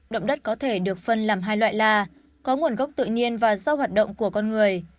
động đất có thể được phân làm hai loại la có nguồn gốc tự nhiên và do hoạt động của con người